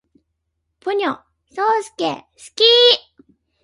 ポニョ，そーすけ，好き